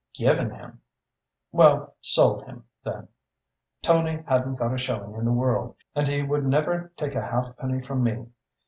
"Given him!" "Well, sold him, then. Tony hadn't got a shilling in the world and he would never take a halfpenny from me.